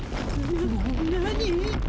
な何？